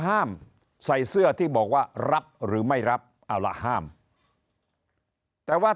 ห้ามใส่เสื้อที่บอกว่ารับหรือไม่รับเอาล่ะห้ามแต่ว่า